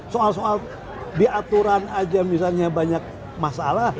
soal soal di aturan aja misalnya banyak masalah